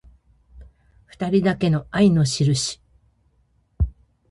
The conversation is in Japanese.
ふたりだけの愛のしるし